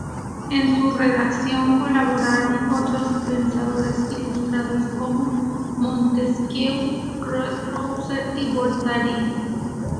En su redacción colaboraron otros pensadores ilustrados como Montesquieu, Rousseau y Voltaire.